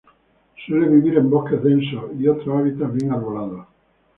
Suele vivir en bosques densos y otros hábitats bien arbolados.